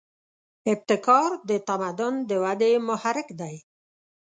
ابتکار د تمدن د ودې محرک دی.